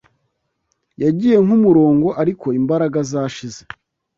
Yagiye nk'umurongo ariko imbaraga zashize